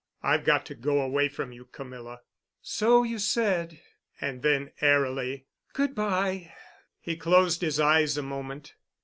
I've got to go away from you, Camilla." "So you said." And then airily, "Good by." He closed his eyes a moment.